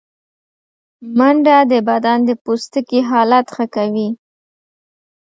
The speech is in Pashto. منډه د بدن د پوستکي حالت ښه کوي